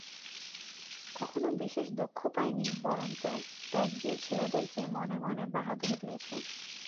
কখনো বিশেষ দুঃখ পায় নি, বরঞ্চ ত্যাগবীর ছেলেদেরকে মনে মনে বাহাদুরি দিয়েছে।